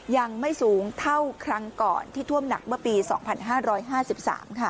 ยังไม่สูงเท่าครั้งก่อนที่ท่วมหนักเมื่อปี๒๕๕๓ค่ะ